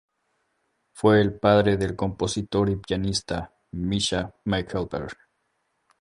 Fue el padre del compositor y pianista Misha Mengelberg.